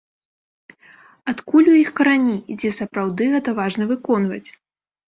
Адкуль іх карані, і ці сапраўды гэта важна выконваць?